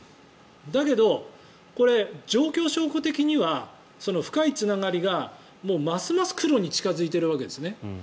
だけどこれ、状況証拠的には深いつながりがますます黒に近付いているわけですね。